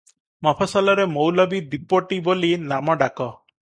ମଫସଲରେ ମୌଲବୀ ଦିପୋଟି ବୋଲି ନାମ ଡାକ ।